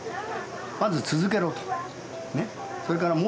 まず続けろと。